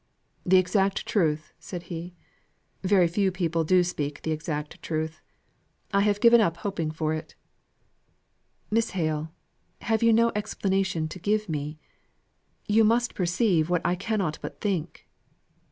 "The exact truth!" said he. "Very few people do speak the exact truth. I have given up hoping for it. Miss Hale, have you no explanation to give me? You must perceive what I cannot but think."